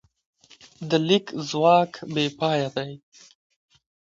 د لیک ځواک بېپایه دی.